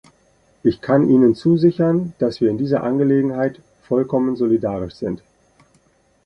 Ich kann Ihnen zusichern, dass wir in dieser Angelegenheit vollkommen solidarisch sind.